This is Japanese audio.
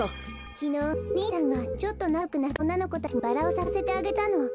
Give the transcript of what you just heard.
きのうお兄ちゃんがちょっとなかよくなったおんなのこたちにバラをさかせてあげたの。